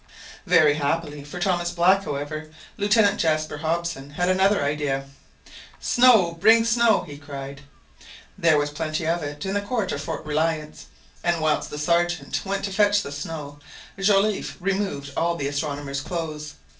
Very happily for Thomas Black, however, Lieutenant Jaspar Hobson had another idea. "Snow, bring snow!" he cried. There was plenty of it in the court of Fort Reliance; and whilst the Sergeant went to fetch the snow, Joliffe removed all the astronomer's clothes.